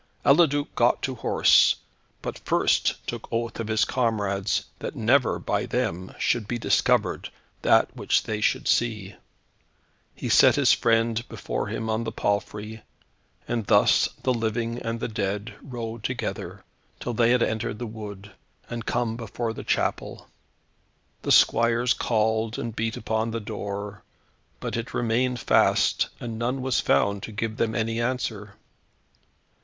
Eliduc got to horse, but first took oath of his comrades that never, by them, should be discovered, that which they should see. He set his friend before him on the palfrey, and thus the living and the dead rode together, till they had entered the wood, and come before the chapel. The squires called and beat upon the door, but it remained fast, and none was found to give them any answer.